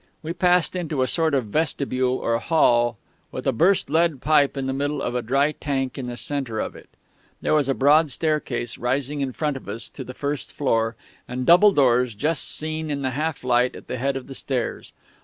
We passed into a sort of vestibule or hall, with a burst lead pipe in the middle of a dry tank in the centre of it. There was a broad staircase rising in front of us to the first floor, and double doors just seen in the half light at the head of the stairs.